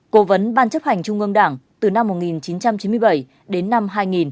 cố vấn ban chấp hành trung ương đảng từ năm một nghìn chín trăm chín mươi bảy đến năm hai nghìn